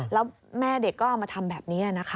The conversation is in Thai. แล้วแม่เด็กก็เอามาทำแบบนี้นะคะ